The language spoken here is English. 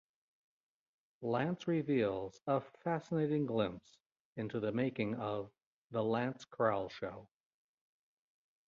Lance reveals a fascinating glimpse into the making of The Lance Krall Show.